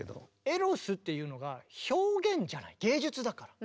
「エロス」っていうのが表現じゃない芸術だから。